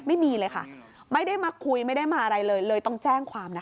ไม่มีเลยค่ะไม่ได้มาคุยไม่ได้มาอะไรเลยเลยต้องแจ้งความนะคะ